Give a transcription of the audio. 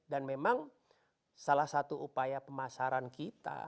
dan memang salah satu upaya pemasaran kita